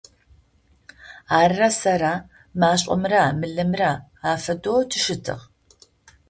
Арырэ сэрырэ машӏомрэ мылымрэ афэдэу тыщытыгъ.